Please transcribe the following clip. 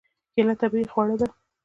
کېله طبیعي خواړه ده.